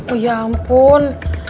oh ya ampun